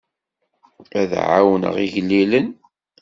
Ad ɛawnen igellilen.